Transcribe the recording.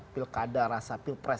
pilkada rasa pilpres ya